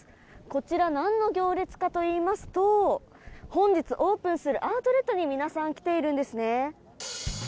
こちら何の行列かといいますと本日オープンするアウトレットに皆さん来ているんですね。